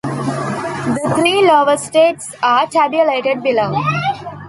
The three lowest states are tabulated below.